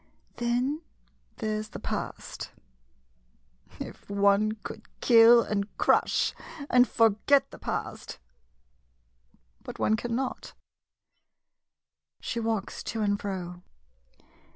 Then, there 's the past — [Passionately] — if one could kill and crush and forget the past — but one cannot. [She walks to and fro.